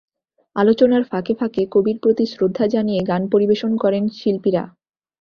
আলোচনার ফাঁকে ফাঁকে কবির প্রতি শ্রদ্ধা জানিয়ে গান পরিবেশন করেন শিল্পীরা।